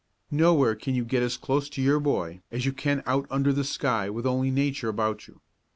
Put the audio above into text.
Nowhere can you get as close to your boy as you can out under the sky with only Nature about you.